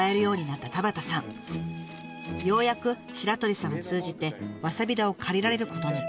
ようやく白鳥さんを通じてわさび田を借りられることに。